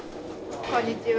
こんにちは。